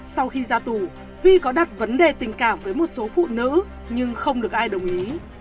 sau khi ra tù huy có đặt vấn đề tình cảm với một số phụ nữ nhưng không được ai đồng ý